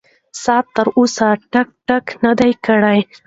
ساعت تر اوسه ټک ټک نه دی کړی.